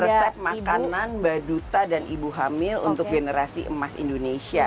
resep makanan baduta dan ibu hamil untuk generasi emas indonesia